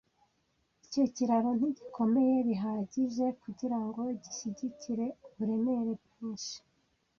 Icyo kiraro ntigikomeye bihagije kugirango gishyigikire uburemere bwinshi.